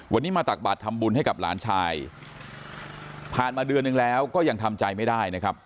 วันนี้มาตักบาททำบุญให้กับหลานชายผ่านมาเดือนหนึ่งแล้วก็ยังทำใจไม่ได้นะครับ